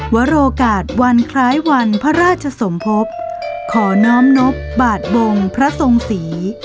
วโรกาศวันคล้ายวันพระราชสมภพขอน้อมนบบาทบงพระทรงศรี